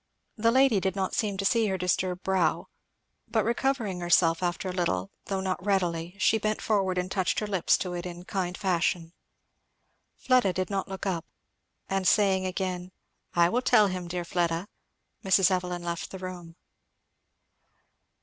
The lady did not seem to see her disturbed brow; but recovering herself after a little, though not readily, she bent forward and touched her lips to it in kind fashion. Fleda did not look up; and saying again, "I will tell him, dear Fleda!" Mrs. Evelyn left the room.